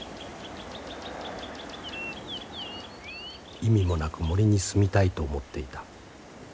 「意味もなく森に住みたいと思っていた。